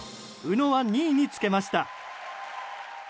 宇野は２位につけました。